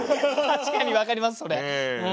確かに分かりますそれ。